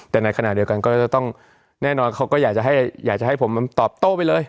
แต่ในขณะเดียวกันก็จะต้องแน่นอนเขาก็อยากจะให้ผมมันตอบโต้ไปเลย